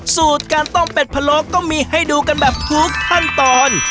สูตรการต้มเป็ดพะโลก็มีให้ดูกันแบบทุกขั้นตอน